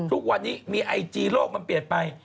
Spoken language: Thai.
ทุกวันนี้มีไอจีโลกมันเปลี่ยนไป